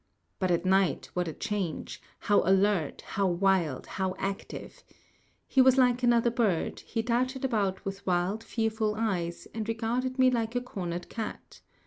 But at night what a change; how alert, how wild, how active! He was like another bird; he darted about with wild fearful eyes, and regarded me like a cornered cat.